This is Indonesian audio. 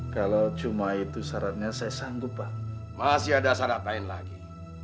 kalau saya gak punya uang sekarang sana pergi